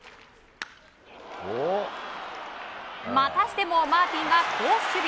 またしてもマーティンが好守備。